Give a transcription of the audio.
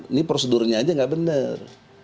ini prosedurnya aja nggak benar